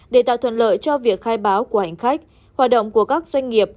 để tạo thuận lợi cho việc khai báo của hành khách hoạt động của các doanh nghiệp